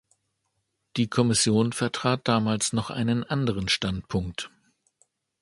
Die Kommission vertrat damals noch einen anderen Standpunkt.